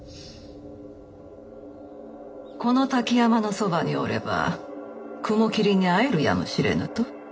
この滝山のそばにおれば雲霧に会えるやもしれぬと？